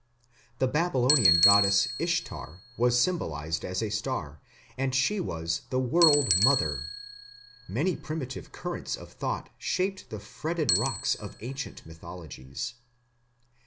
The Babylonian goddess Ishtar was symbolized as a star, and she was the "world mother". Many primitive currents of thought shaped the fretted rocks of ancient mythologies.